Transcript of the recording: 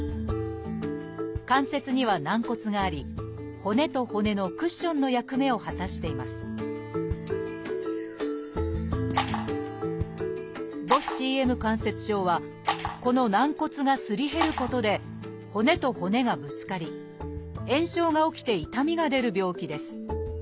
関節には軟骨があり骨と骨のクッションの役目を果たしています「母指ＣＭ関節症」はこの軟骨がすり減ることで骨と骨がぶつかり炎症が起きて痛みが出る病気です。